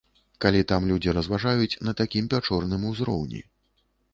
Калі там людзі разважаюць на такім пячорным узроўні.